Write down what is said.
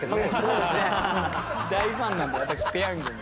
大ファンなんで私ペヤングの。